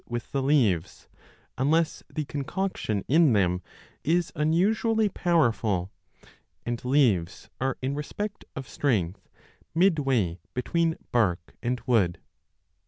8 8 2 y b with the leaves, unless the eoncoetion in them is unusually 25 powerful ; and leaves are in respeet of strength midway between bark l and wood.